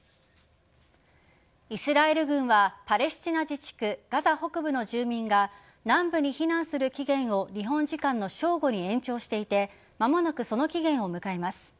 イスラエル軍はパレスチナ自治区ガザ北部の住民が南部に避難する期限を日本時間の正午に延長していて間もなくその期限を迎えます。